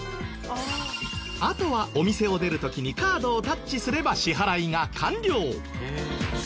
あとはお店を出る時にカードをタッチすれば支払いが完了。